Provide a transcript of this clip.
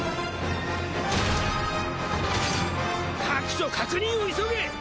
各所確認を急げ！